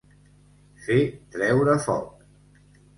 Fer treure foc.